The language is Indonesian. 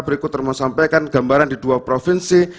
berikut termosampakan gambaran di dua provinsi